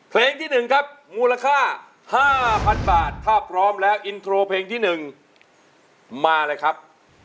เพลงที่๑ครับมูลค่า๕๐๐๐บาทถ้าพร้อมแล้วอินโทรเพลงที่๑มาเลยครับ